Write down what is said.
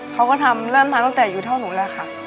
เขาก็ทำแล้วมาตั้งแต่อยู่เท่านู้นแหละค่ะ